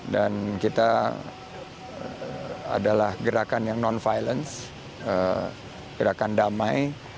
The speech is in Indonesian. dan kita adalah gerakan yang non violence gerakan damai